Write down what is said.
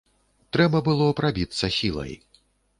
Трэба было прабіцца сілай.